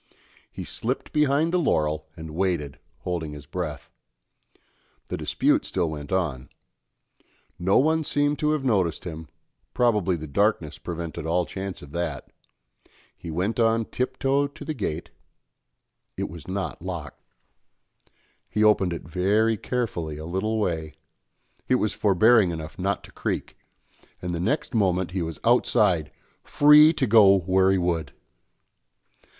He slipped behind the laurel and waited, holding his breath; the dispute still went on; no one seemed to have noticed him, probably the darkness prevented all chance of that; he went on tip toe to the gate it was not locked. He opened it very carefully a little way; it was forbearing enough not to creak, and the next moment he was outside, free to go where he would!